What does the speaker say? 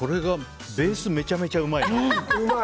ベースめちゃめちゃうまい。